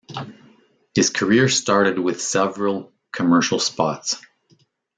His career started with several commercial spots.